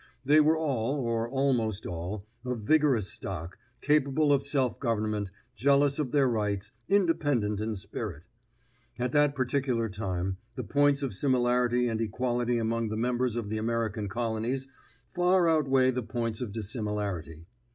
They were all, or almost all, of vigorous stock, capable of self government, jealous of their rights, independent in spirit. At that particular time, the points of similarity and equality among the members of the American Colonies far outweighed the points of dissimilarity.